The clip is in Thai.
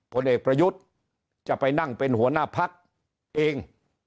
ผลเอกประยุทธ์จะไปนั่งเป็นหัวหน้าพักเอง